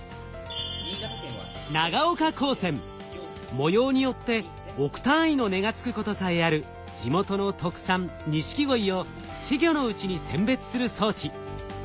模様によって億単位の値がつくことさえある地元の特産錦鯉を稚魚のうちに選別する装置。